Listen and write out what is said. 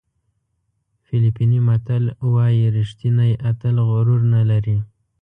فلپیني متل وایي ریښتینی اتل غرور نه لري.